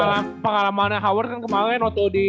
cuma pengalaman howard kan kemarin